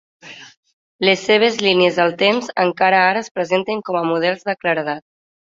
Les seves línies del temps encara ara es presenten com a models de claredat.